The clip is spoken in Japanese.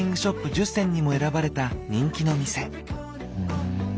１０選にも選ばれた人気の店。